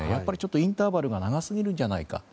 インターバルが長すぎるんじゃないか。